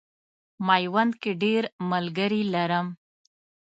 میوند کې ډېر ملګري لرم.